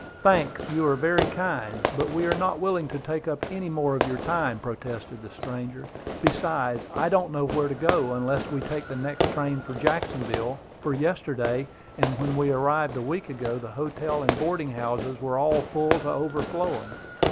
"Thanks; you are very kind. But we are not willing to take up any more of your time," protested the stranger. "Besides, I don't know where to go, unless we take the next train for Jacksonville; for yesterday, and when we arrived a week ago, the hotels and boarding houses were all full to overflowing.